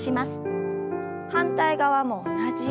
反対側も同じように。